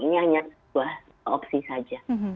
ini hanya sebuah opsi saja